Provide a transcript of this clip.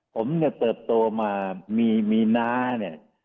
ผมเนี่ยเติบโตมามีน้าเนี่ย